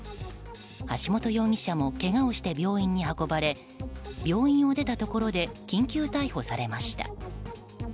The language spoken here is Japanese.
橋本容疑者もけがをして病院に運ばれ病院を出たところで緊急逮捕されました。